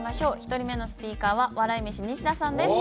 １人目のスピーカーは笑い飯西田さんです。